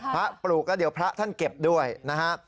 ปลูกก็เดี๋ยวพระท่านเก็บด้วยนะฮะ